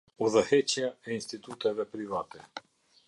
Udhëheqja e instituteve private.